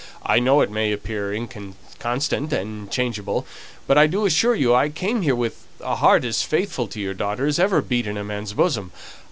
"I know it may appear inconstant and changeable, but I do assure you, I came here with a heart as faithful to your daughter as ever beat in a man's bosom.